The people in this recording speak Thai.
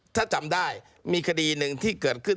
ถ้าจำได้มีคดีหนึ่งที่เกิดขึ้น